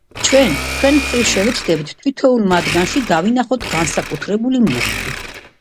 ჩვენ, ჩვენის მხრივ, შევეცდებით თითოეულ მათგანში დავინახოთ განსაკუთრებული მუხტი.